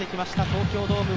東京ドーム。